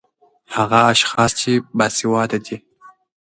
ـ هغه اشخاص چې باسېواده دي